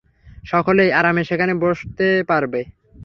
সকলেই আরামে সেখানে বসতে পারব।